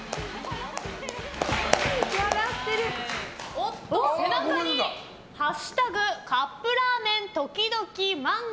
おっと、背中に「＃カップラーメン時々漫画」。